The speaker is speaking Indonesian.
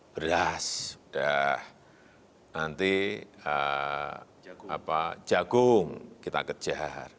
beras sudah nanti jagung kita kejar